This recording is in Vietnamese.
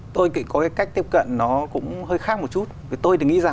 tôi có cái cách tiếp cận nó cũng hơi khác một chút